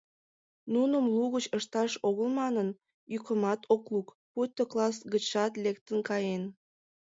Нуным лугыч ышташ огыл манын, йӱкымат ок лук, пуйто класс гычшат лектын каен.